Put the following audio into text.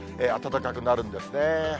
暖かくなるんですね。